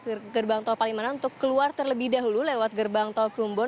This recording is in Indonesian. ke gerbang tol palimanan untuk keluar terlebih dahulu lewat gerbang tol plumbon